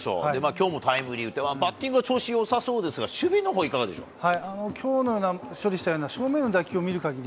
今日もタイムリーを打ってバッティングは調子良さそうですが、守備はいかがですか？